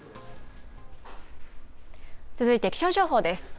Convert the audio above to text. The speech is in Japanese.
続いて気象情報です。